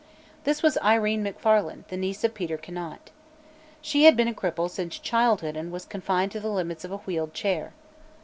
This was Irene Macfarlane, the niece of Peter Conant. She had been a cripple since childhood and was confined to the limits of a wheeled chair.